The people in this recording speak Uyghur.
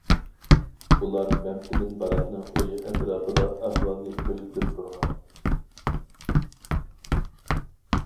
ئۇلار مەمتىمىن باراتنىڭ ئۆيى ئەتراپىدا ئەھۋالنى كۆزىتىپ تۇرغان.